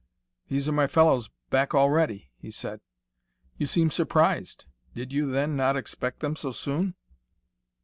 "These are my fellows back already!" he said. "You seem surprised. Did you, then, not expect them so soon?"